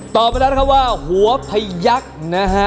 ไปแล้วนะครับว่าหัวพยักษ์นะฮะ